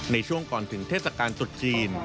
ในช่วงก่อนถึงเทศกาลตรุษจีน